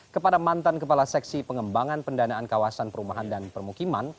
kepada mantan kepala seksi pengembangan pendanaan kawasan perumahan dan permukiman